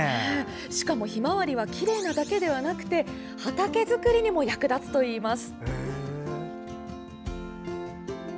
しかも、ひまわりはきれいなだけではなくて畑作りにも役立つといいます。